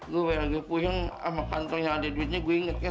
gua beli lagi pusing sama kantong yang ada duitnya gua ingetin aja